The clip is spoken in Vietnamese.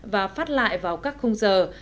và phát lại vào các khung giờ